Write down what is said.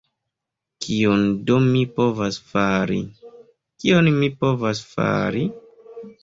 Kion do mi povas fari, kion mi povas fari?